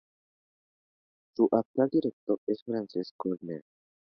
Su actual director es Frances Corner.